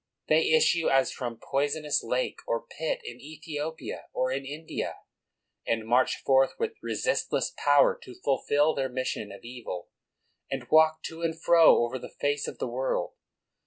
They issue as from some poison ous lake or pit in Ethiopia or in India, and march forth with resistless power to fulfil their mission of evil, and walk to and fro over the face of the world.